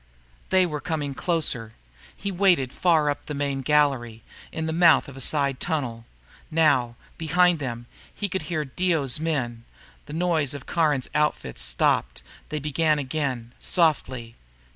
They were coming closer. He waited far up in the main gallery, in the mouth of a side tunnel. Now, behind them, he could hear Dio's men. The noise of Caron's outfit stopped, then began again, softly.